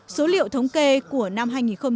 số liệu thống kê của năm hai nghìn một mươi chín